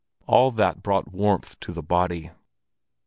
All that brought warmth to the body.